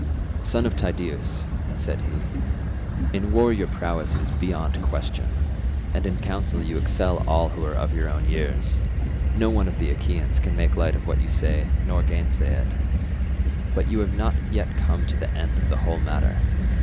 "Son of Tydeus," said he, "in war your prowess is beyond question, and in council you excel all who are of your own years; no one of the Achaeans can make light of what you say nor gainsay it, but you have not yet come to the end of the whole matter.